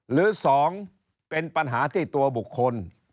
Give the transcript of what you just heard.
หรือ๒เป็นปัญหาที่ตัวบุคคล